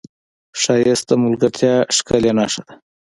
ښایست د ملګرتیا ښکلې نښه ده